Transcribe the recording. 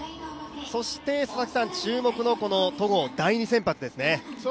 そして注目の戸郷、第２先発ですね。